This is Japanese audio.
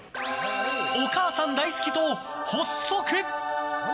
お母さん大好き党、発足！